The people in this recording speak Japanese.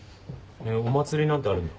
お祭りなんてあるんだ。